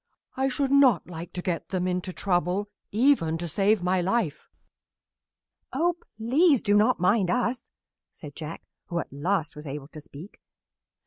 I should not like to get them into trouble, even to save my life." "Oh, please do not mind us," said Jack, who at last was able to speak.